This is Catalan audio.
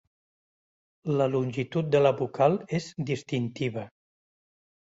La longitud de la vocal és distintiva.